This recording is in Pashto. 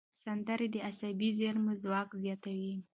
سندرې د عصبي زېرمو ځواک زیاتوي.